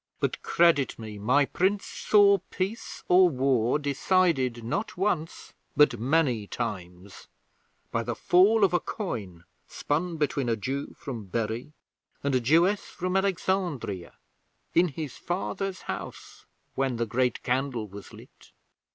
'But, credit me, my Prince saw peace or war decided not once, but many times, by the fall of a coin spun between a Jew from Bury and a Jewess from Alexandria, in his father's house, when the Great Candle was lit.